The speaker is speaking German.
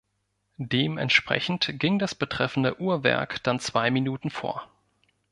Dementsprechend ging das betreffende Uhrwerk dann zwei Minuten vor.